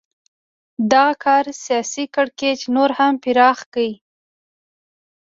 دغه کار سیاسي کړکېچ نور هم پراخ کړ.